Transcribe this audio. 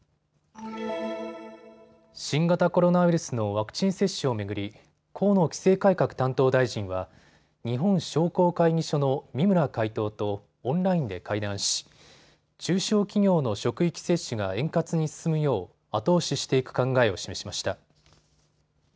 新型コロナウイルスのワクチン接種を巡り河野規制改革担当大臣は日本商工会議所の三村会頭とオンラインで会談し中小企業の職域接種が円滑に進むよう後押ししていく考えを示しました。